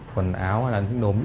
quần áo hay là những đồ mỹ phẩm